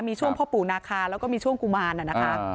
มีช่วงพ่อปู่นาคาแล้วก็มีช่วงกุมารน่ะนะคะ